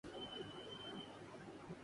ہم آپ کے غم میں برابر کے شریک ہیں بھائی